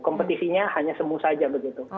kompetisinya hanya semu saja begitu